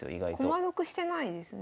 駒得してないですね。